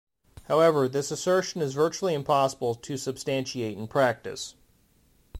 However, this assertion is virtually impossible to substantiate in practice.